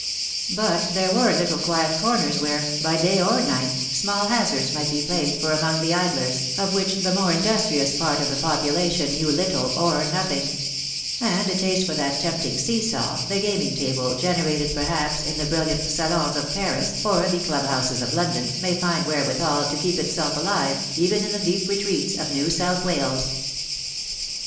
But there were little quiet corners where, by day or night, small hazards might be played for among the idlers, of which the more industrious part of the population know little or nothing ; and a taste for that tempting seesaw, the gaming table, generated, perhaps, in the brilhant saloiis of Paris, or the club houses of London, may find wherewithal to keep itself alive, even in the deep retreats of New South Wales.